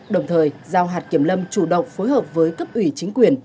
đồng thời giao hạt kiểm lâm chủ động phối hợp với cấp ủy chính quyền